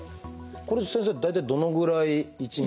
これって先生大体どのぐらい１日に。